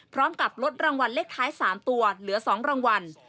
พร้อมกับลดรางวัลเลขท้าย๓ตัวเหลือ๒รางวัล